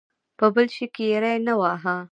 په بل هېڅ شي کې یې ری نه واهه.